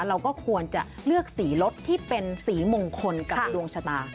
เราก็ควรจะเลือกสีรถที่เป็นสีมงคลกับดวงชะตา